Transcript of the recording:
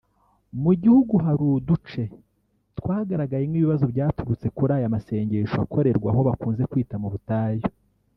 Mu gihugu hari uduce twagaragayemo ibibazo byaturutse kuri aya masengesho akorerwa aho bakunze kwita mu butayu